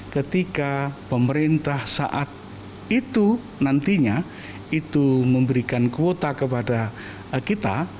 ketika pemerintah saat itu nantinya itu memberikan kuota kepada kita